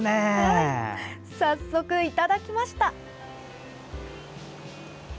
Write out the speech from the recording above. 早速、いただきました。